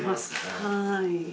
はい。